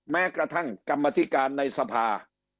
แม้กระทั่งกรรมธิการในสภา